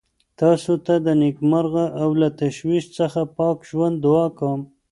تاسو ته د نېکمرغه او له تشویش څخه پاک ژوند دعا کوم.